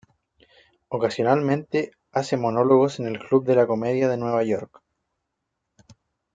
Ocasionalmente hace monólogos en el Club de la Comedia de Nueva York.